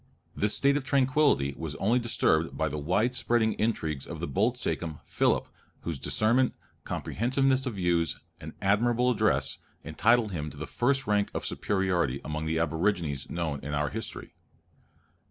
This state of tranquillity was only disturbed by the wide spreading intrigues of the bold sachem, Philip, whose discernment, comprehensiveness of views, and admirable address, entitle him to the first rank of superiority among the aborigines known in our history.